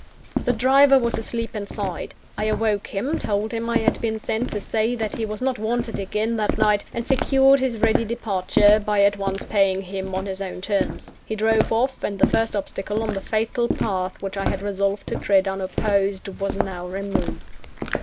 The driver was asleep inside. I awoke him; told him I had been sent to say that he was not wanted again that night: and secured his ready departure, by at once paying him on his own terms. He drove off; and the first obstacle on the fatal path which I had resolved to tread unopposed, was now removed.